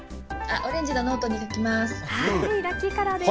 オレンジのノートに書きます。